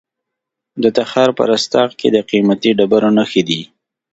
د تخار په رستاق کې د قیمتي ډبرو نښې دي.